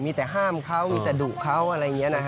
มีแต่ห้ามเขามีแต่ดุเขาอะไรอย่างนี้นะฮะ